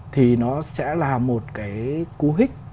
thì nó sẽ là một cái cú hích